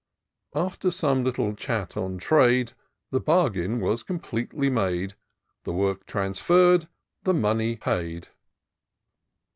" After some little chat on trade. The bargain was completely made — The work transferr'd, the money paid.